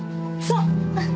そう！